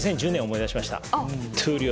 僕、２０１０年思い出しました。